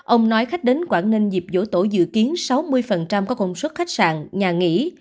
ông nói khách đến quảng ninh dịp dỗ tổ dự kiến sáu mươi có công suất khách sạn nhà nghỉ